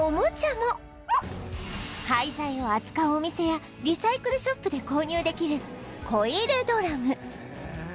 廃材を扱うお店やリサイクルショップで購入できるコイルドラム